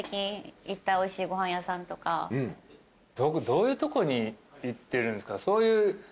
どういうとこに行ってるんですか？